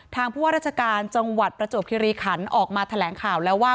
ผู้ว่าราชการจังหวัดประจวบคิริขันออกมาแถลงข่าวแล้วว่า